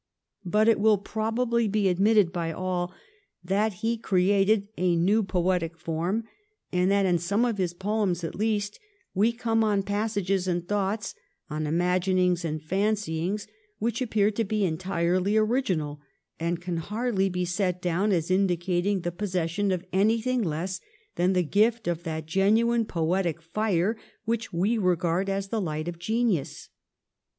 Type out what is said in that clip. But it will probably be admitted by all that he created a new poetic form, and that in some of his poems at least we come on passages and thoughts, on imagin ings and fancyings, which appear to be entirely original, and can hardly be set down as indicating the possession of anything less than the gift of that genuine poetic fire which we regard as the light of genius.